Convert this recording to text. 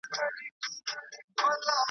داسي ولاړ سي لکه نه وي چي راغلی .